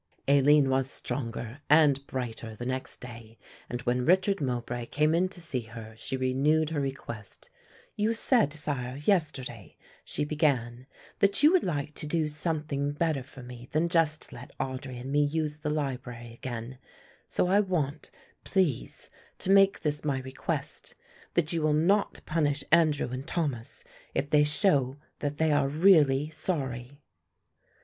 Aline was stronger and brighter the next day and when Richard Mowbray came in to see her she renewed her request, "You said, sire, yesterday," she began, "that you would like to do something better for me than just let Audry and me use the library again, so I want, please, to make this my request, that you will not punish Andrew and Thomas if they show that they are really sorry."